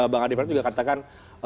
bang adi prat juga katakan